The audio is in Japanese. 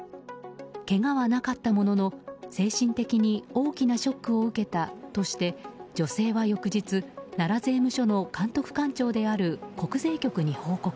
けがはなかったものの精神的に大きなショックを受けたとして女性は翌日奈良税務署の監督官庁である国税局に報告。